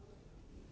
dia udah berangkat